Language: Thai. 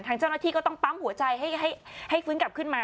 ทางเจ้าหน้าที่ก็ต้องปั๊มหัวใจให้ฟื้นกลับขึ้นมา